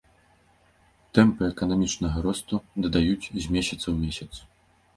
Тэмпы эканамічнага росту дадаюць з месяца ў месяц.